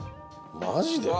マジで？